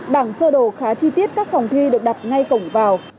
bảng sơ đồ khá chi tiết các phòng thi được đặt ngay cổng vào